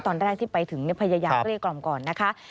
ตอนแรกที่ไปถึงพยายามเกลี้ยกล่อมก่อนนะคะ